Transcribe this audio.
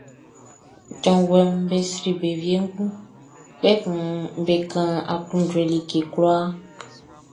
Janvuɛʼm be sri be wiengu, kpɛkun be kan aklunjuɛ like kwlaa.